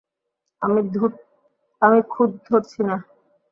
আমি খুঁত ধরছি না।